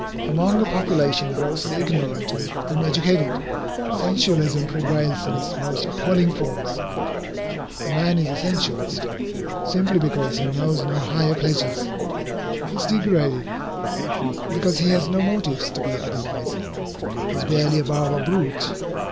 Among a population grossly ignorant and uneducated, sensualism prevails in its most appalling forms. The man is a sensualist, simply because he knows no higher pleasures. He is degraded, because he has no motives to be otherwise. He is barely above a brute.